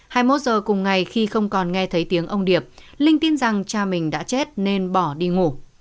hai mươi một giờ cùng ngày khi không còn nghe thấy tiếng ông điệp linh tin rằng cha mình đã chết nên bỏ đi ngủ